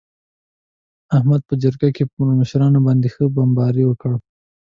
احمد په جرگه کې په مشرانو باندې ښه بمباري وکړه.